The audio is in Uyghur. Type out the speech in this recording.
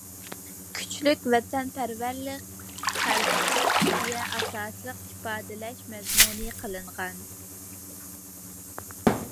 كۈچلۈك ۋەتەنپەرۋەرلىك، خەلقچىللىق ئىدىيە ئاساسلىق ئىپادىلەش مەزمۇنى قىلىنغان.